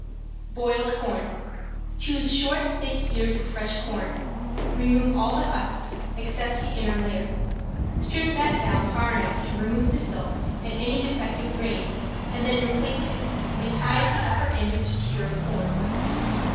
~BOILED CORN~ Choose short, thick ears of fresh corn, remove all the husks except the inner layer: strip that down far enough to remove the silk and any defective grains and then replace it, and tie at the upper end of each ear of corn.